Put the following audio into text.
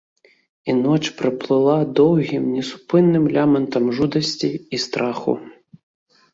І ноч праплыла доўгім несупынным лямантам жудасці і страху.